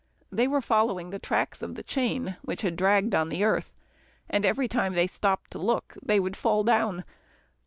They were following the tracks of the chain that had dragged on the earth, and every time they stopped to look, they would fall down.